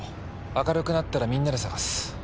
明るくなったらみんなで捜す。